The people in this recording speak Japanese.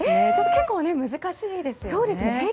結構難しいですよね。